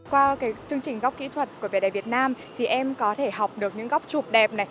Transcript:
qua chương trình góc kỹ thuật của vd việt nam thì em có thể học được những góc chụp đẹp